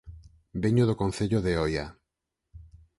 Veño do Concello de Oia